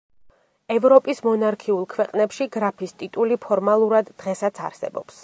ევროპის მონარქიულ ქვეყნებში გრაფის ტიტული ფორმალურად დღესაც არსებობს.